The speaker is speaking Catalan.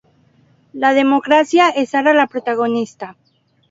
La democràcia és ara la protagonista.